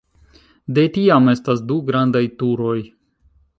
De tiam estas du grandaj turoj.